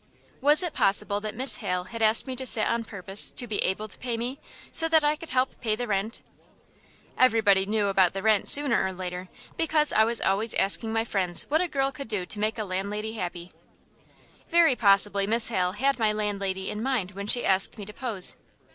Was it possible that Miss Hale had asked me to sit on purpose to be able to pay me, so that I could help pay the rent? Everybody knew about the rent sooner or later, because I was always asking my friends what a girl could do to make the landlady happy. Very possibly Miss Hale had my landlady in mind when she asked me to pose.